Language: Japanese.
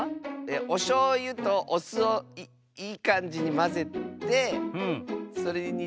おしょうゆとおすをいいかんじにまぜてそれにつけてたべます！